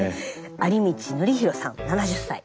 有道典広さん７０歳。